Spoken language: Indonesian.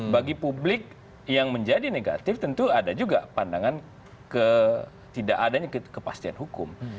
bagi publik yang menjadi negatif tentu ada juga pandangan tidak adanya kepastian hukum